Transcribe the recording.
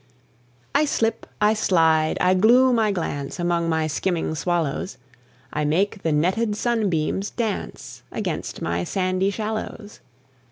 I slip, I slide, I gloom, I glance, Among my skimming swallows; I make the netted sunbeams dance Against my sandy shallows.